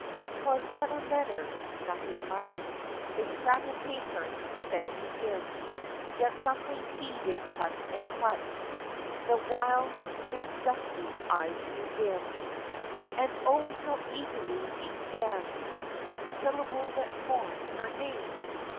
17 ^Twas but a letter — nothing much — A scrap of paper sent to him, Yet something he did clutch and clutch The while his dusky eyes grew dim. And oh, how eagerly he scanned Each syllable that formed her name